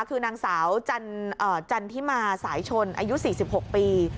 คือนางสาวจันทิมาสายชนอายุ๔๖ปี